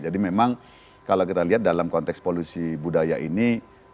jadi memang kalau kita lihat dalam konteks polusi budaya ini